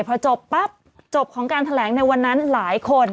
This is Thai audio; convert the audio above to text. พอจบปั๊บจบของการแถลงในวันนั้นหลายคน